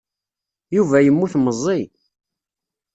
Yuba yemmut meẓẓi.